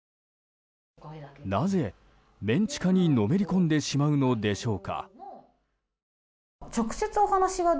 なぜメン地下にのめり込んでしまうのでしょうか。